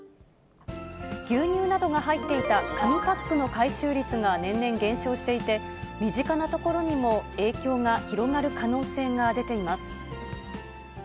牛乳などが入っていた紙パックの回収率が年々減少していて、身近な所にも影響が広がる可能性が出ています。